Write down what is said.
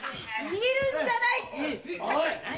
見るんじゃない！